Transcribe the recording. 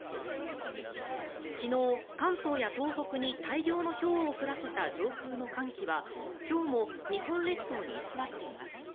昨日、関東や東北に大量のひょうを降らせた上空の寒気は今日も日本列島に居座っています。